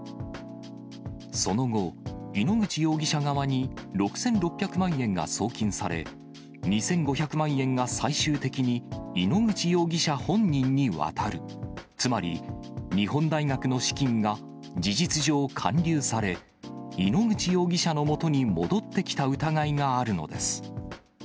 その後、井ノ口容疑者側に６６００万円が送金され、２５００万円が最終的に、井ノ口容疑者本人に渡る、つまり、日本大学の資金が事実上、還流され、井ノ口容疑者のもとに戻ってきた疑いがあるのです。